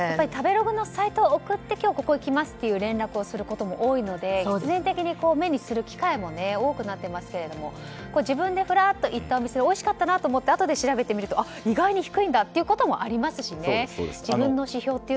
食べログのサイトを送って今日ここに行きますと連絡することも多いので必然的に目にすることも多くなっていますが自分でフラッと行った店おいしかったなと思ってあとで調べると意外と低いんだということもありますしね。